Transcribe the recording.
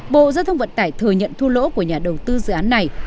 bộ giao thông vận tải thừa nhận thu lỗ của nhà đầu tư dự án này